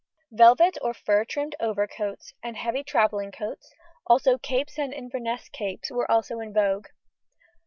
Velvet or fur trimmed overcoats, and heavy travelling coats, also capes and Inverness capes, were all in vogue.